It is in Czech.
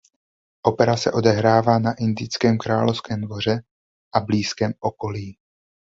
Opera se odehrává na indickém královském dvoře a blízkém okolí.